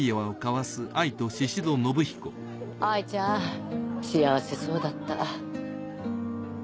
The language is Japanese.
藍ちゃん幸せそうだった。